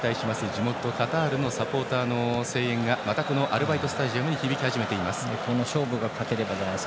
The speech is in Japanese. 地元カタールのサポーターの声がまたアルバイトスタジアムに響き始めています。